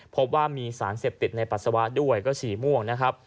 พบว่ามีสารเสพติดในปัสสาวะด้วยก็ฉี่ม่วงนะครับ